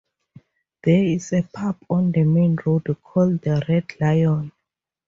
There is a pub on the main road called the Red Lion.